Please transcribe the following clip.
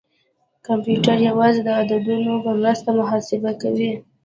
کمپیوټر یوازې د عددونو په مرسته محاسبه کوي.